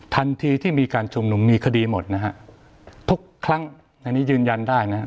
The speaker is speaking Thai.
ทันทีที่มีการชุมนุมมีคดีหมดนะฮะทุกครั้งในนี้ยืนยันได้นะครับ